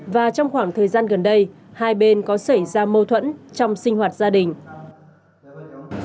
và trong khoảng thời gian gần đây hai bên có xảy ra mâu thuẫn trong sinh hoạt gia đình